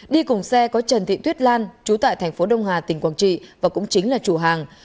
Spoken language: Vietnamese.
đi cùng xe có trần thị tuyết lan chú tại thành phố đông hà tỉnh quảng trị và cũng chính là chủ hàng